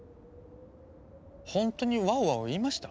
ほんとに「ワオワオ」言いました？